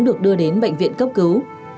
được đưa đến bệnh viện cấp cứu